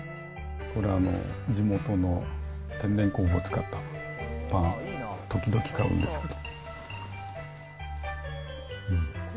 これ、地元の天然酵母を使ったパン、時々買うんですけど。